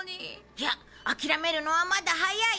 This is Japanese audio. いやあきらめるのはまだ早い。